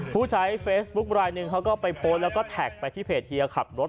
ผู้ใช้เฟซบุ๊คไลน์หนึ่งเขาก็ไปโพสต์แล้วก็แท็กไปที่เพจเฮียขับรถ